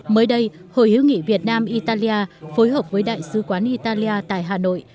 mới đây hội hiếu nghị việt nam italia phối hợp với đại sứ quán italia tại hà nội